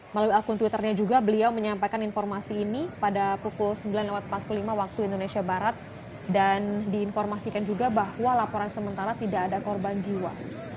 melalui akun twitternya juga beliau menyampaikan informasi ini pada pukul sembilan empat puluh lima waktu indonesia barat dan diinformasikan juga bahwa laporan sementara tidak ada korban jiwa